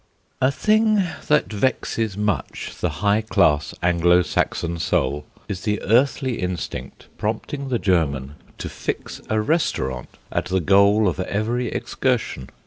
A thing that vexes much the high class Anglo Saxon soul is the earthly instinct prompting the German to fix a restaurant at the goal of every excursion.